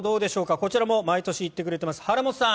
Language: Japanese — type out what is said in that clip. こちらも毎年行ってくれています原元さん